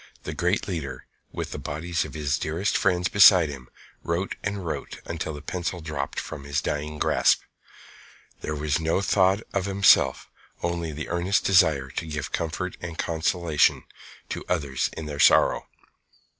The great leader, with the bodies of his dearest friends beside him, wrote and wrote until the pencil dropped from his dying grasp. There was no thought of himself, only the earnest desire to give comfort and consolation to others in their sorrow.